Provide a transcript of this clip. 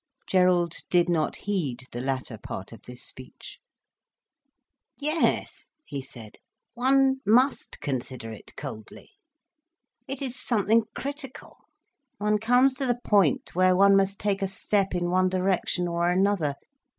Gerald did not heed the latter part of this speech. "Yes," he said, "one must consider it coldly. It is something critical. One comes to the point where one must take a step in one direction or another.